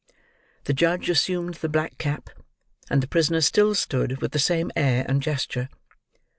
The judge assumed the black cap, and the prisoner still stood with the same air and gesture.